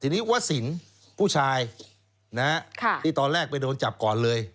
ทีนี้วสินผู้ชายที่ตอนแรกไปโดนจับก่อนเลย